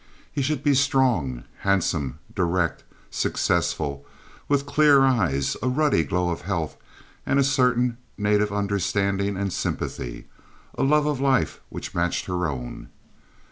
He should be strong, handsome, direct, successful, with clear eyes, a ruddy glow of health, and a certain native understanding and sympathy—a love of life which matched her own.